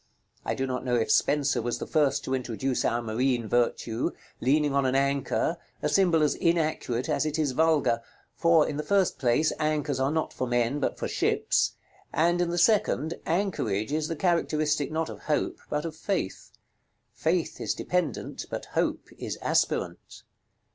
I do not know if Spenser was the first to introduce our marine virtue, leaning on an anchor, a symbol as inaccurate as it is vulgar: for, in the first place, anchors are not for men, but for ships; and in the second, anchorage is the characteristic not of Hope, but of Faith. Faith is dependent, but Hope is aspirant.